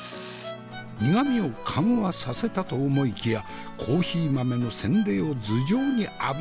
苦味を緩和させたと思いきやコーヒー豆の洗礼を頭上に浴びせるとは！